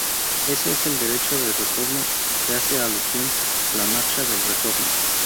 Ese es el derecho de retorno al que hace alusión la Marcha del Retorno.